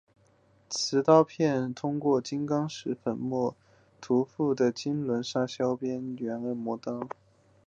陶瓷刀片通过用金刚石粉尘涂覆的砂轮磨削边缘而磨刀。